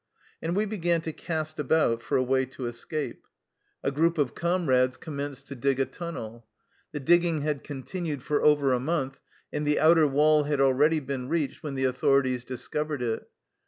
And we began to cast about for a way to escape. A group of comrades com 174 THE LIFE STOEY OF A KUSSIAN EXILE menced to dig a tunnel. The digging had con tinued for over a month and the outer wall had already been reached when the authorities dis covered it.